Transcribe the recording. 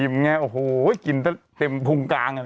อี่มไงโอ้โหขึ้นเต็มพรุงกลาง